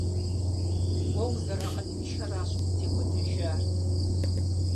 Уэ узэрыакъылыншэрщ узытекӀуэдэжар.